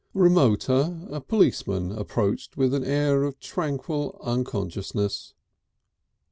Remoter, a policeman approached with an air of tranquil unconsciousness.